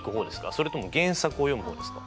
それとも原作を読む方ですか？